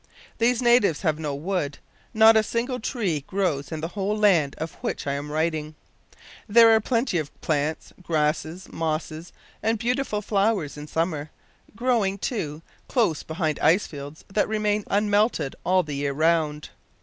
These natives have no wood. Not a single tree grows in the whole land of which I am writing. There are plenty of plants, grasses, mosses, and beautiful flowers in summer growing, too, close beside ice fields that remain unmelted all the year round.